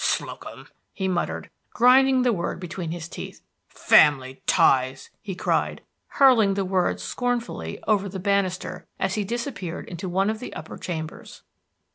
"Slocum!" he muttered, grinding the word between his teeth. "Family ties!" he cried, hurling the words scornfully over the banister as he disappeared into one of the upper chambers.